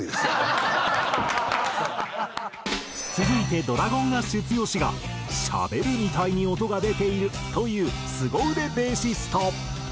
続いてＤｒａｇｏｎＡｓｈＴ＄ＵＹＯ＄ＨＩが「喋るみたいに音が出ている」と言うスゴ腕ベーシスト。